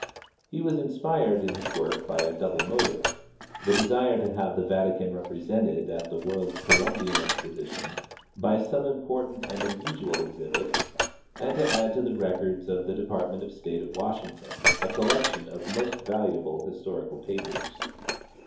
He was inspired in his work by a double motive — the desire to have the Vatican represented at the World's Colum bian Exposition by some important and unusual exhibit, and to add to the records of the Department of State at Washington a collection of most valuable historical papers.